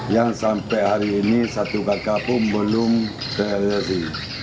yang sampai hari ini satu kakak pun belum plsi